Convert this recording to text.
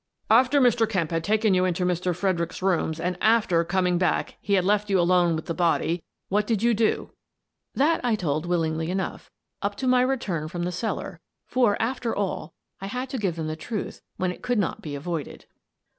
" After Mr. Kemp had taken you into Mr. Fred ericks^ room and after, coming back, he had left you alone with the body, what did you do? " That I told willingly enough, — up to my return from the cellar, — for, after all, I had to give them the truth when it could not be avoided.